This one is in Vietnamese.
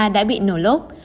đã bị nổ lốp